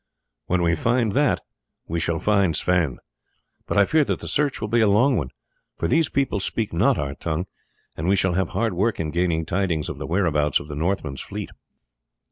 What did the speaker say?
When we find that we shall find Sweyn; but I fear that the search will be a long one, for these people speak not our tongue, and we shall have hard work in gaining tidings of the whereabouts of the Northmen's fleet."